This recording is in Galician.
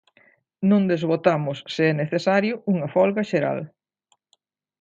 Non desbotamos, se é necesario, unha folga xeral.